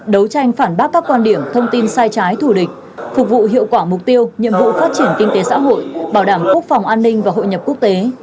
đấu tranh phản bác các quan điểm thông tin sai trái thủ địch phục vụ hiệu quả mục tiêu nhiệm vụ phát triển kinh tế xã hội bảo đảm quốc phòng an ninh và hội nhập quốc tế